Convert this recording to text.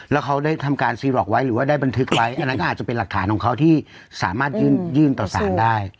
แล้วเขาได้ทำการซีล็อกไว้หรือว่าได้บันทึกไว้อันนั้นก็อาจจะเป็นหลักฐานของเขาที่สามารถยื่นต่อสารได้